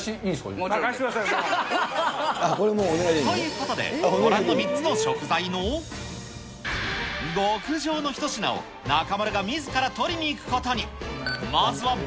任せてください。ということで、ご覧の３つの食材の極上の一品を中丸がみずから取りに行くことに。